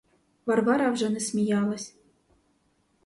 Варвара вже не сміялась.